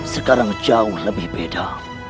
sekarang jauh lebih beda